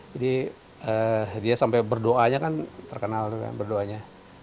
jadi dia sampai berdoanya kan terkenal kan berdoanya